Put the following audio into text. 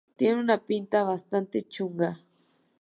Tiene una pinta bastante chunga.